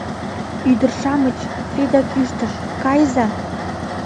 — Ӱдыр-шамыч, — Федя кӱштыш, — кайыза!